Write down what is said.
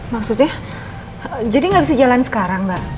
maksudnya jadi nggak bisa jalan sekarang mbak